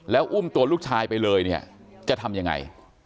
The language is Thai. แล้วอุ้มตัวลูกชายไปเลยเนี่ยจะทำยังไง